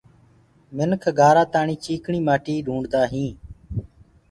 منک گآرآ تآڻي چيٚڪڻي مآٽي ڍونڊدآ هين۔